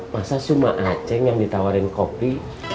masa cuma a ceng yang ditawarin kopi